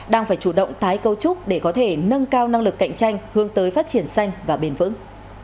đang phải chủ động tái cấu trúc để có thể nâng cao năng lực cạnh tranh hướng tới phát triển xanh và bền vững